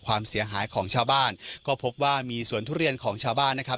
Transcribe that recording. ความเสียหายของชาวบ้านก็พบว่ามีสวนทุเรียนของชาวบ้านนะครับ